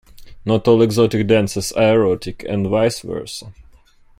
Not all exotic dances are erotic, and vice versa.